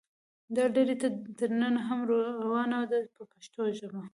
دا لړۍ تر ننه هم روانه ده په پښتو ژبه.